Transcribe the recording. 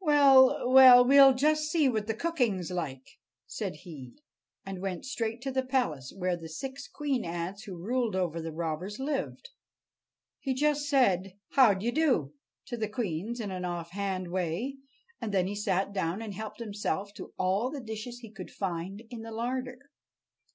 "Well, well, we'll just see what the cooking's like," said he, and went straight to the palace where the six queen ants who ruled over the robbers lived. He just said: "How d'ye do?" to the queens in an off hand way, and then he sat down and helped himself to all the dishes he could find in the larder.